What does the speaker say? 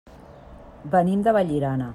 Venim de Vallirana.